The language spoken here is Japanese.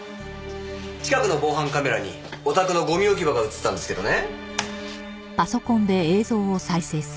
近くの防犯カメラにお宅のゴミ置き場が映ってたんですけどね。